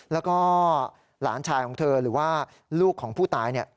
แล้วก็หลานชายของเธอหรือว่าลูกของผู้ตายเนี่ย